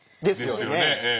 ですよね。